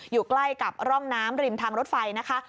อยู่ใกล้กับร่องน้ำริมทางรถไฟนะคะ